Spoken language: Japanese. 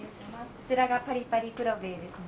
こちらがパリパリくろべぇですね。